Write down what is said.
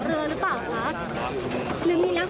แล้วเราเป็นคนขับเรือรึเปล่าครับ